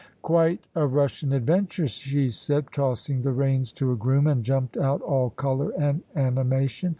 "Quite a Russian adventure," she said, tossing the reins to a groom, and jumped out, all colour and animation.